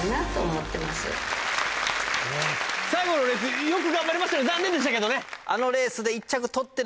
最後のレースよく頑張りましたね残念でしたけどね。